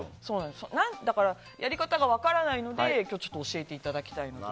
だから、やり方が分からないので今日は教えていただきたいなと。